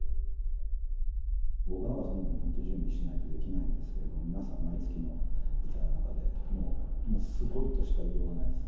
僕なんか、準備しないとできないんですけど、皆さん、毎月の舞台の中で、もう、もうすごいとしか言いようがないです。